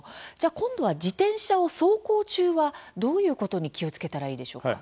あ今度は自転車を走行中はどういうことに気を付けたらいいでしょうか？